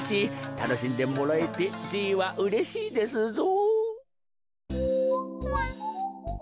たのしんでもらえてじいはうれしいですぞ。